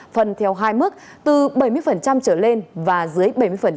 phần theo hai mức từ bảy mươi trở lên và dưới bảy mươi